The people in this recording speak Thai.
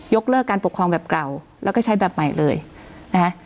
เลิกการปกครองแบบเก่าแล้วก็ใช้แบบใหม่เลยนะคะ